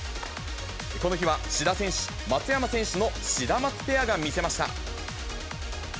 この日は、志田選手、松山選手のシダマツペアが見せました。